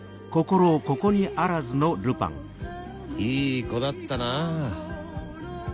いい子だったなぁ。